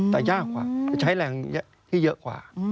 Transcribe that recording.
แต่ยากกว่าจะใช้แรงที่เยอะกว่า